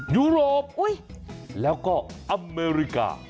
ยุโรปแล้วก็อเมริกา